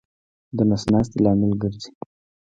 د نس ناستې لامل ګرځي.